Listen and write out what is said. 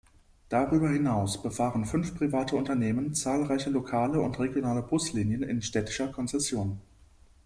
Darüber hinaus befahren fünf private Unternehmen zahlreiche lokale und regionale Buslinien in städtischer Konzession.